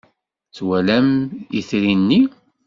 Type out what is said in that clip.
Twalam itri-nni?